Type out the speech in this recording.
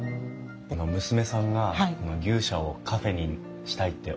娘さんが牛舎をカフェにしたいっておっしゃった時。